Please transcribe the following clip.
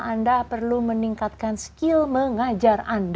anda perlu meningkatkan skill mengajar anda